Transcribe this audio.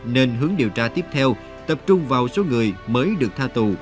nên hướng điều tra tiếp theo tập trung vào số người mới được tha tù